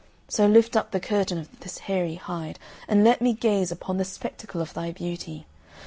So lift up the curtain of this hairy hide, and let me gaze upon the spectacle of thy beauty!